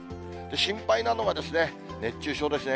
心配なのは、熱中症ですね。